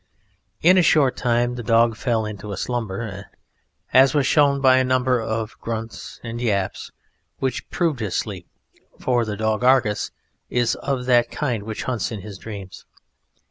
In a short time the dog fell into a slumber, as was shown by a number of grunts and yaps which proved his sleep, for the dog Argus is of that kind which hunts in dreams.